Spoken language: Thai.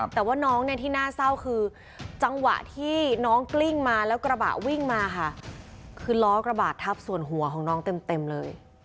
แต่ว่าน้องเนี่ยที่น่าเศร้าคือจังหวะที่น้องกลิ้งมาแล้วกระบะวิ่งมาค่ะคือล้อกระบาดทับส่วนหัวของน้องเต็มเลย